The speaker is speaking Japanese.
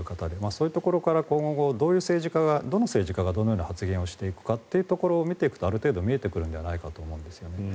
そういうところから、今後どの政治家がどのような発言をしていくかを見ていくとある程度見てくるのではないかと思うんですよね。